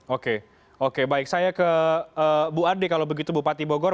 oke oke baik saya ke bu ade kalau begitu bupati bogor